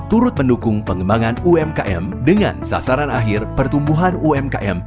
turut mendukung pengembangan umkm dengan sasaran akhir pertumbuhan umkm